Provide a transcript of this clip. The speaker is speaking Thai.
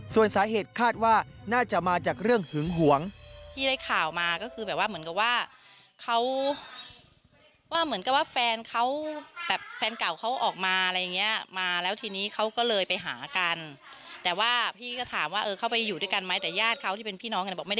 ส่วนสาเหตุคาดว่าน่าจะมาจากเรื่องหึงหวง